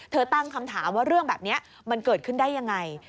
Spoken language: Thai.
ตั้งคำถามว่าเรื่องแบบนี้มันเกิดขึ้นได้ยังไง